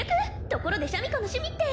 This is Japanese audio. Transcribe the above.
「ところでシャミ子の趣味って」